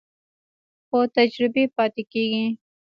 خو تجربې پاتې کېږي.